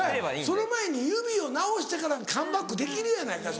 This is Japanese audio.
その前に指を治してからカムバックできるやないか